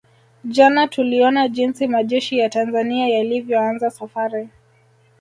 Jana tuliona jinsi majeshi ya Tanzania yalivyoanza safari